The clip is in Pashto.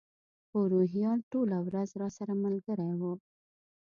خو روهیال ټوله ورځ راسره ملګری و.